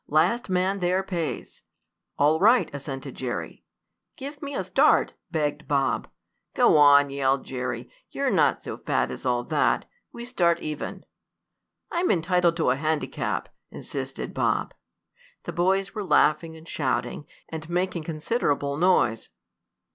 Last man there pays!" "All right!" assented Jerry. "Give me a start," begged Bob. "Go on!" yelled Jerry. "You're not so fat as all that. We start even." "I'm entitled to a handicap," insisted Bob. The boys were laughing and shouting, and making considerable noise.